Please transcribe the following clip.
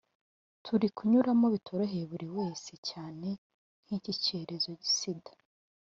turi kunyuramo bitoroheye buri wese cyane nk’iki cyorezo sida